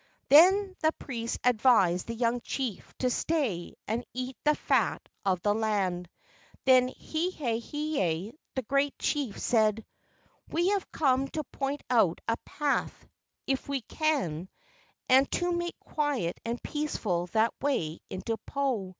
Then the priests advised the young chief to stay and eat the fat of the land. Then Hae hae, the great chief, said, " We have come to point out a path, if we can, and to make quiet and peaceful that way into Po."